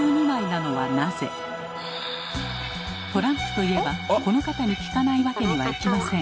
トランプといえばこの方に聞かないわけにはいきません。